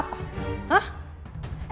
memangnya salah apa